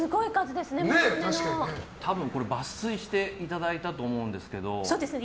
抜粋していただいたと思うんですけど。